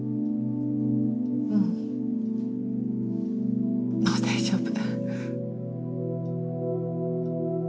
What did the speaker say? うんもう大丈夫。